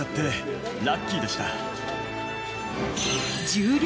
重量